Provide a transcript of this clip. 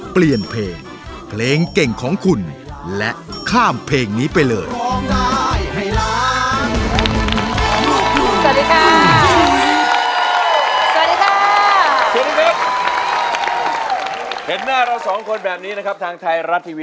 เปลี่ยนเพลงเพลงเก่งของคุณและข้ามเพลงนี้ไปเลย